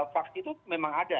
faksi itu memang ada